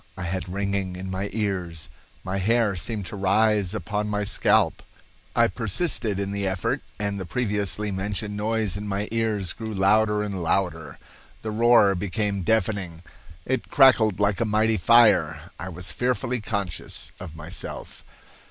I had ringing in my ears. My hair seemed to rise upon my scalp. I persisted in the effort, and the previously mentioned noise in my ears grew louder and louder. The roar became deafening. It crackled like a mighty fire. I was fearfully conscious of myself.